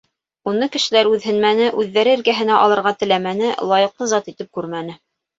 Уны кешеләр үҙһенмәне, үҙҙәре эргәһенә алырға теләмәне, лайыҡлы зат итеп күрмәне.